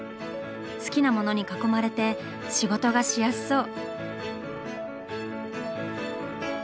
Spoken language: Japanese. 好きな物に囲まれて仕事がしやすそう。